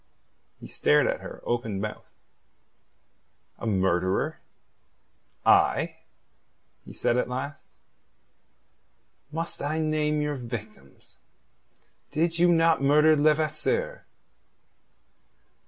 He stared at her open mouthed. "A murderer I?" he said at last. "Must I name your victims? Did you not murder Levasseur?"